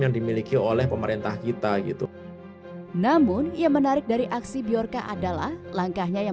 yang dimiliki oleh pemerintah kita gitu namun ia menarik dari aksi bjorka adalah langkahnya yang